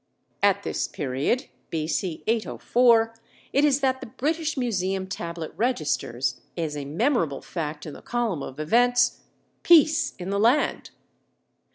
At this period, B.C. 804, it is that the British Museum tablet registers, as a memorable fact in the column of events, "Peace in the land."